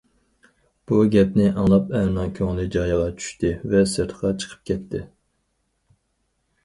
بۇ گەپنى ئاڭلاپ ئەرنىڭ كۆڭلى جايىغا چۈشتى ۋە سىرتقا چىقىپ كەتتى.